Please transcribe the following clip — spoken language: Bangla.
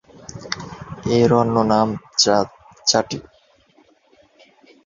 এর অন্য নাম চাঁটি।